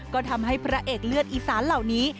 ก็ทำให้พระเอกเลือดอีสานเหล่านี้